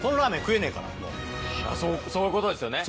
そういうことですよね。